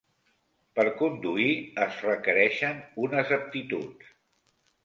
Per conduir es requereixen unes aptituds.